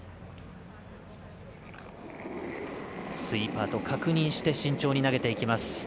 スイーパーと確認して慎重に投げていきます。